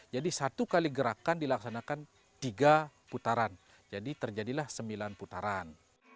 jadi satu kali gerakan dilaksanakan tiga putaran jadi terjadilah sembilan putaran